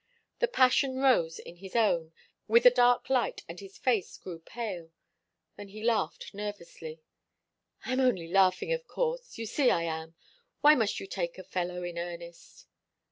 The passion rose in his own, with a dark light, and his face grew pale. Then he laughed nervously. "I'm only laughing, of course you see I am. Why must you take a fellow in earnest?"